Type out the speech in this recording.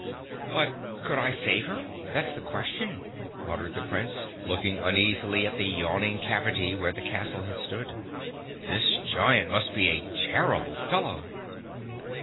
"But could I save her—that's the question," muttered the Prince, looking uneasily at the yawning cavity where the castle had stood. "This giant must be a terrible fellow!"